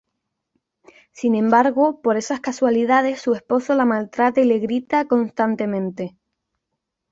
Sin embargo, por esas cualidades, su esposo la maltrata y le grita constantemente.